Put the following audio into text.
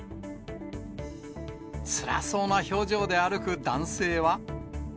つらそうな表情で歩く男性は。